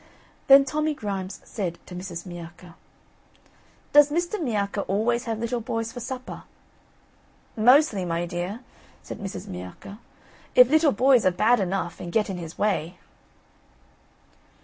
Then Tommy Grimes said to Mrs. Miacca: "Does Mr. Miacca always have little boys for supper?" "Mostly, my dear," said Mrs. Miacca, "if little boys are bad enough, and get in his way."